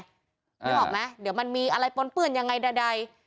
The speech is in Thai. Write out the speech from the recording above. นึกออกไหมเดี๋ยวมันมีอะไรปนเปื้อนยังไงใด